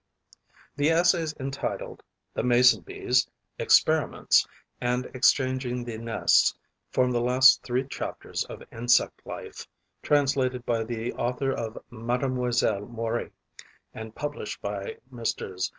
The essays entitled "The Mason bees, Experiments" and "Exchanging the Nests" form the last three chapters of "Insect Life", translated by the author of "Mademoiselle Mori" and published by Messrs.